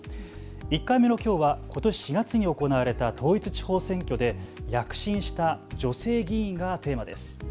１回目のきょうはことし４月に行われた統一地方選挙で躍進した女性議員がテーマです。